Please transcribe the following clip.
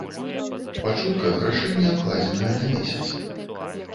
Па чутках, рашэнне адкладзенае на месяц.